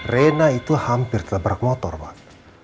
rina itu hampir telaprak motor pak